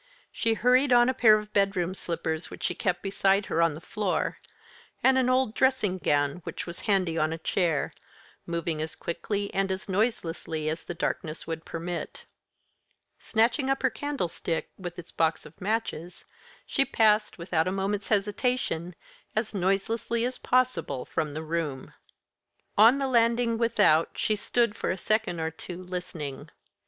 She hurried on a pair of bedroom slippers which she kept beside her on the floor, and an old dressing gown which was handy on a chair, moving as quickly and as noiselessly as the darkness would permit. Snatching up her candlestick, with its box of matches, she passed, without a moment's hesitation, as noiselessly as possible from the room. On the landing without she stood, for a second or two, listening.